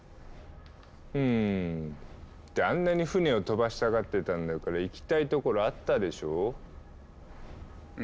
うむってあんなに船を飛ばしたがってたんだから行きたい所あったでしょう？